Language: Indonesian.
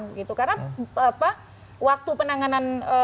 karena waktu penanganan pelanggaran di dalam undang undang ini